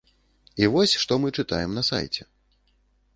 І вось, што мы чытаем на сайце.